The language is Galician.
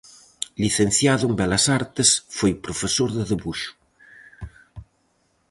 Licenciado en Belas Artes, foi profesor de debuxo.